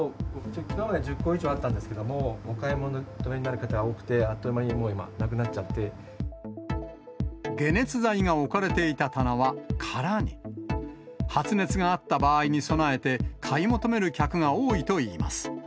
きのうまで１０個以上あったんですけれども、お買い求めになる方が多くて、あっという間に今、なくなっちゃ解熱剤が置かれていた棚はからに。発熱があった場合に備えて、買い求める客が多いといいます。